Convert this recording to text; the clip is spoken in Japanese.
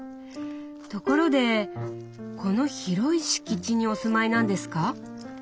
ところでこの広い敷地にお住まいなんですか？